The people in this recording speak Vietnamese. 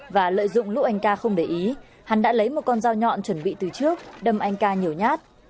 và lợi dụng lúc anh ca không để ý hắn đã lấy một con dao nhọn chuẩn bị từ trước đâm anh ca nhiều nhát